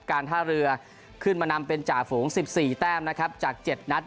การท่าเรือขึ้นมานำเป็นจ่าฝูง๑๔แต้มนะครับจาก๗นัด